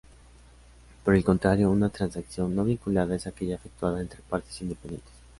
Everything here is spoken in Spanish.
Por el contrario, una transacción no vinculada es aquella efectuada entre partes independientes.